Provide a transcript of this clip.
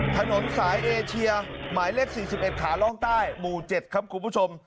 ถนนสายเอเชียหมายเลข๔๑ขาล่องใต้หมู่๗ครับคุณผู้ชม